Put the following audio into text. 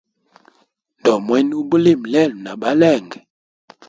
Ndomwena ubulimi lelo na balenge?